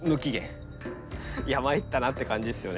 参ったなって感じですよね。